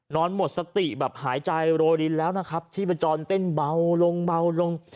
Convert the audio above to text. หมดสติแบบหายใจโรยรินแล้วนะครับชีพจรเต้นเบาลงเบาลง